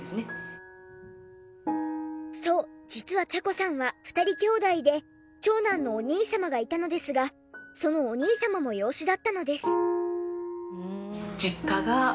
そう実は茶子さんは２人兄妹で長男のお兄様がいたのですがそのお兄様も養子だったのです。